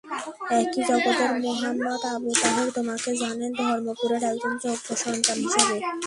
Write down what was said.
একই জগতের মুহাম্মদ আবু তাহের তোমাকে জানেন ধর্মপুরের একজন যোগ্য সন্তান হিসেবে।